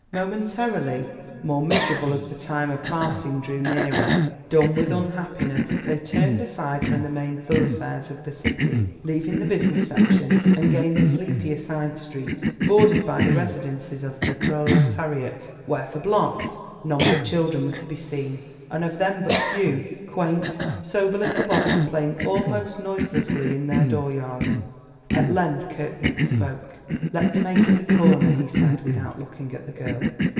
Momentarily more miserable as the time of parting drew nearer, dumb with unhappiness, they turned aside from the main thoroughfares of the city, leaving the business section, and gained the sleepier side streets, bordered by the residences of the proletariat, where for blocks none but children were to be seen, and of them but few quaint, sober little bodies playing almost noiselessly in their dooryards. At length Kirkwood spoke. "Let's make it the corner," he said, without looking at the girl.